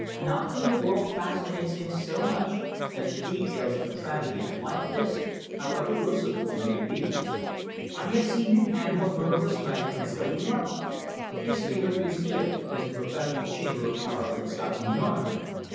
Nothing in the world fascinates him so much as the details of a tragedy like this, however gruesome they may be. I have seen him handle a murderer's knife as though he loved it. His favourite museum is the professional Chamber of Horrors in Scotland Yard.